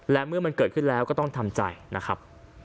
และเมื่อมันเกิดขึ้นแล้วก็ต้องทำใจนะครับ